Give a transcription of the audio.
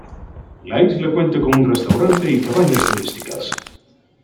La isla cuenta con un restaurante y cabañas turísticas.